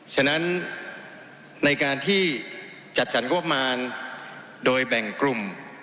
ฉะนั้นในการที่จัดสรรงบประมาณโดยแบ่งกลุ่ม